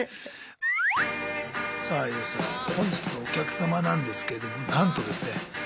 さあＹＯＵさん本日のお客様なんですけれどもなんとですね